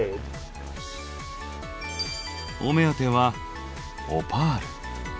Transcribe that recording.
お目当てはオパール。